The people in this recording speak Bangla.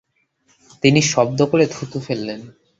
তিনি শব্দ করে থুথু ফেললেন।